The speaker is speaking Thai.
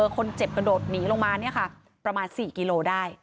คนเจ็บกระโดดหนีลงมาประมาณ๔กิโลได้